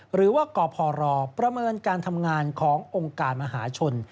หรือว่ากพรประเมินการทำงานขององค์การมหาชน